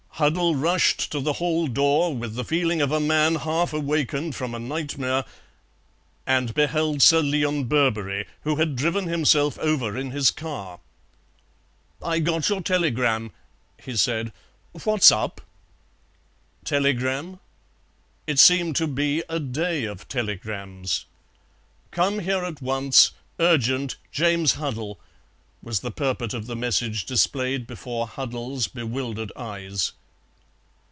Huddle rushed to the hall door with the feeling of a man half awakened from a nightmare, and beheld Sir Leon Birberry, who had driven himself over in his car. "I got your telegram," he said, "what's up?" Telegram? It seemed to be a day of telegrams. "Come here at once. Urgent. James Huddle," was the purport of the message displayed before Huddle's bewildered eyes.